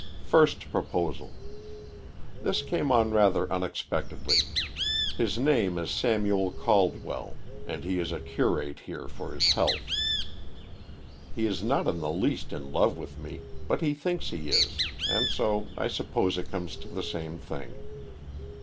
"First proposal This came on rather unexpectedly. His name is Samuel Caldwell, and he is a curate here for his health. He is not in the least in love with me, but he thinks he is, and so, I suppose, it comes to the same thing.